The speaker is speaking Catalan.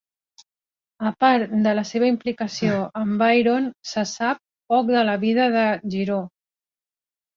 A part de la seva implicació amb Byron, se sap poc de la vida de Giraud.